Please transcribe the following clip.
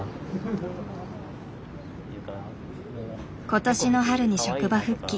今年の春に職場復帰。